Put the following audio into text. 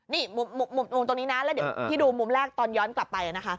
นี่มุมตรงนี้นะแล้วเดี๋ยวที่ดูมุมแรกตอนย้อนกลับไปนะคะ